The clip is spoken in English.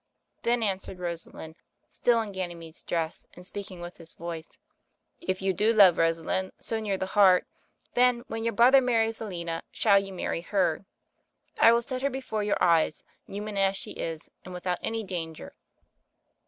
Then answered Rosalind, still in Ganymede's dress and speaking with his voice^ "If you do love Rosalind so near the heart, then when your brother marries Aliena, shall you marry her. I will set her before your eyes, human as she is, and without any danger."